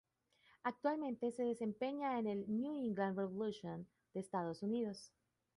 Actualmente se desempeña en el New England Revolution de Estados Unidos.